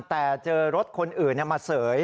แต่เจอรถคนอื่นเนี่ยมาเสย